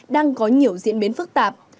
đang có nhiều diễn biến phức tạp